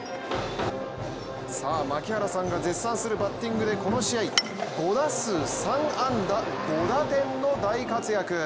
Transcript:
槙原さんが絶賛するバッティングでこの試合５打数３安打５打点の大活躍。